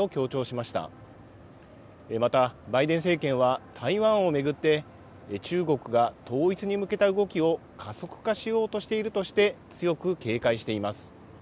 また、バイデン政権は台湾を巡って、中国が統一に向けた動きを加速化しようとしているとして、強く警戒しています。